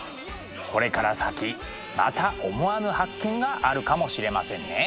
これから先また思わぬ発見があるかもしれませんね。